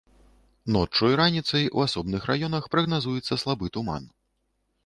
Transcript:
Ноччу і раніцай у асобных раёнах прагназуецца слабы туман.